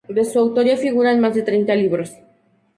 De su autoría figuran más de treinta libros.